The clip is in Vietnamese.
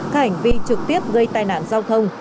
cảnh vi trực tiếp gây tai nạn giao thông